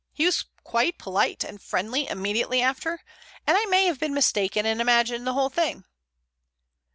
He was quite polite and friendly immediately after, and I may have been mistaken and imagined the whole thing."